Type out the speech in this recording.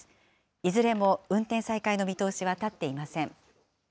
いずれも運転再開の見通しは立っていません。